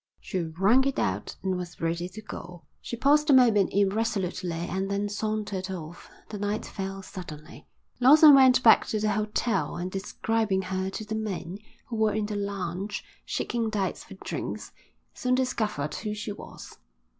She wrung it out and was ready to go. She paused a moment irresolutely and then sauntered off. The night fell suddenly. Lawson went back to the hotel and, describing her to the men who were in the lounge shaking dice for drinks, soon discovered who she was.